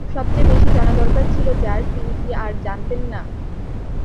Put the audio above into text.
সবচেয়ে বেশি জানা দরকার ছিল যার, তিনি কি আর জানতেন না?